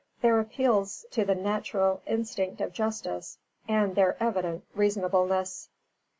Their appeals to the natural instinct of justice, and their evident reasonableness.